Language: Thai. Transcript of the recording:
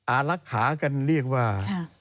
รักษากันเรียกว่า